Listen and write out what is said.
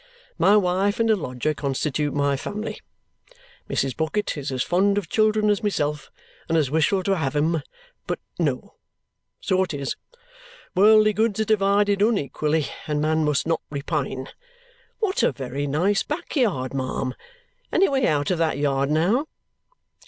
My wife and a lodger constitute my family. Mrs. Bucket is as fond of children as myself and as wishful to have 'em, but no. So it is. Worldly goods are divided unequally, and man must not repine. What a very nice backyard, ma'am! Any way out of that yard, now?"